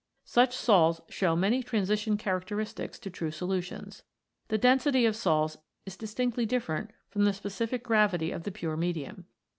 Such sols show many transition charac teristics to true solutions. The density of sols is distinctly different from the specific gravity of the pure medium.